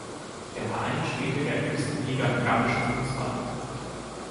Der Verein spielte in der höchsten Liga im gambischen Fußball.